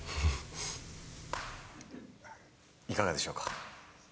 いかがでしょうか？